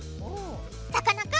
さかなクン！